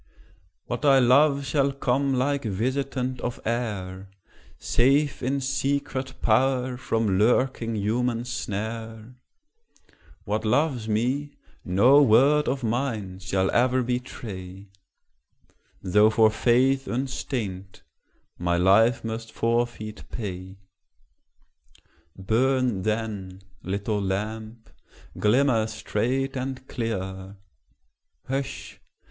What I love shall come like visitant of air, Safe in secret power from lurking human snare; What loves me, no word of mine shall e'er betray, Though for faith unstained my life must forfeit pay Burn, then, little lamp; glimmer straight and clear Hush!